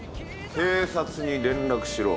警察に連絡しろ。